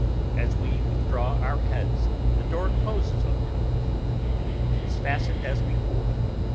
As we withdraw our heads, the door closes on him, and is fastened as before.